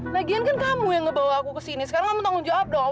lagian kan kamu yang bawa aku ke sini sekarang kamu tanggung jawab dong